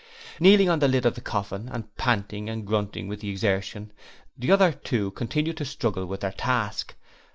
Kneeling on the lid of the coffin and panting and grunting with the exertion, the other two continued to struggle with their task.